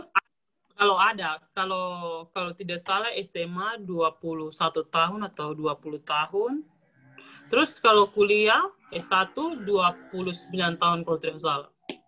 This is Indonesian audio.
kalau ada kalau tidak salah sma dua puluh satu tahun atau dua puluh tahun terus kalau kuliah s satu dua puluh sembilan tahun kalau tidak salah